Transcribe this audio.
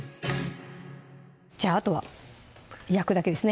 じゃあとは焼くだけですね